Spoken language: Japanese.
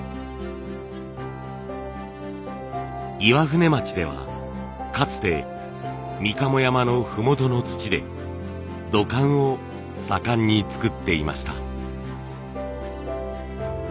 岩舟町ではかつてみかも山の麓の土で土管を盛んに作っていました。